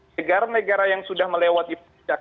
negara negara yang sudah melewati puncak